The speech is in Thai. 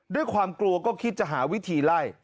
ด้วยความกลัวก็คิดจะหาวิธีไล่